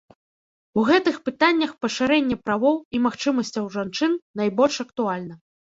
У гэтых пытаннях пашырэнне правоў і магчымасцяў жанчын найбольш актуальна.